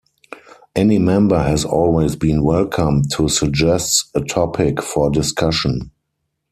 Any member has always been welcome to suggest a topic for discussion.